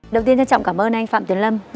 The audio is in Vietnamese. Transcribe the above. đầu tiên trân trọng cảm ơn anh phạm tiến lâm